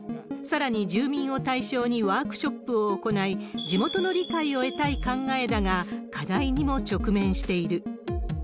さらに、住民を対象にワークショップを行い、地元の理解を得たい考えだが、課題にも直面している。